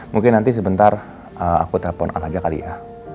mungkin nanti sebentar aku telepon al aja kali ya